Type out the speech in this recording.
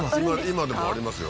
今でもありますよ